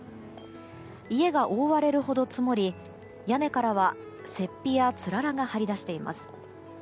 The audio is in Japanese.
家が覆われるほど積もり屋根からは雪庇やつららが張り出しています。